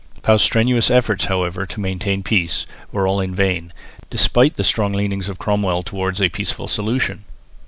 Pauw's strenuous efforts however to maintain peace were all in vain, despite the strong leanings of Cromwell towards a peaceful solution.